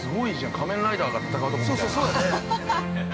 仮面ライダーが戦うとこみたいな。